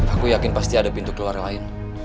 aku yakin pasti ada pintu keluar yang lain